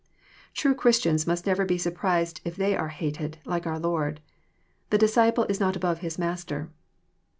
*' True Christians must never be surprised if they are " hated like their Lor57^'"The disciple is not above his Master."